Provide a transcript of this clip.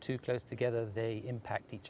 tentang apa yang kami minta